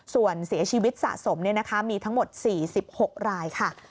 ส่วนเสียชีวิตสะสมมีทั้งหมด๔๖รายค่ะ